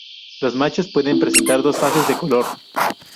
Los machos pueden presentar dos fases de color.